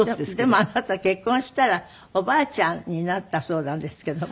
でもあなた結婚したらおばあちゃんになったそうなんですけども。